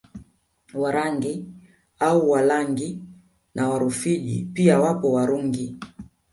Warangi au Walangi na Warufiji pia wapo Warungi